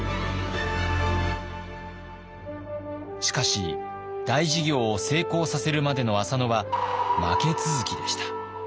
しかし大事業を成功させるまでの浅野は負け続きでした。